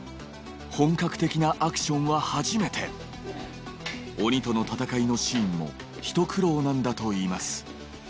本格的なアクションは初めて鬼との戦いのシーンもひと苦労なんだと言います